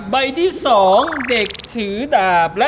ใบที่๒เด็กถือดาบ